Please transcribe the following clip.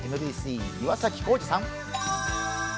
ＭＢＣ岩崎弘志さん。